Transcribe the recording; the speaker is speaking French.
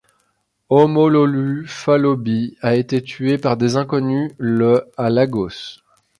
Omololu Falobi a été tué par des inconnus le à Lagos.